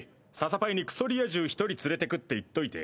笹パイにクソリア充１人連れてくって言っといて。